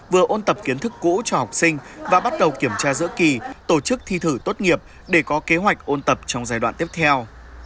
vừa ôn tập kiến thức cũ cho học sinh và bắt đầu kiểm tra giữa kỳ tổ chức thi thử tốt nghiệp để có kế hoạch ôn tập trong giai đoạn tiếp theo